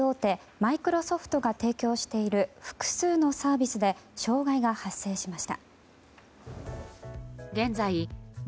マイクロソフトが提供している複数のサービスで障害が発生しました。